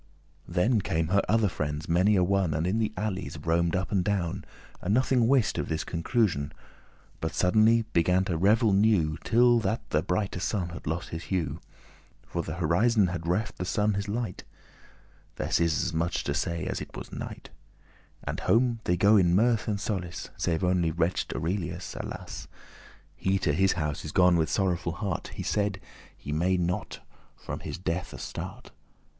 Then came her other friends many a one, And in the alleys roamed up and down, And nothing wist of this conclusion, But suddenly began to revel new, Till that the brighte sun had lost his hue, For th' horizon had reft the sun his light (This is as much to say as it was night); And home they go in mirth and in solace; Save only wretch'd Aurelius, alas He to his house is gone with sorrowful heart. He said, he may not from his death astart.